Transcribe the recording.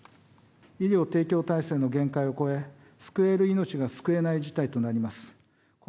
医療提供体制の限界を超え、救える命が救えない事態となります。